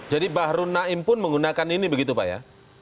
jadi bahru naim pun menggunakan ini begitu pak ya